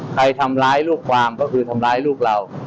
ใครทำร้ายลูกความก็คือทำร้ายลูกเรา